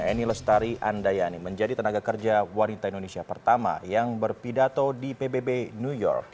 eni lestari andayani menjadi tenaga kerja wanita indonesia pertama yang berpidato di pbb new york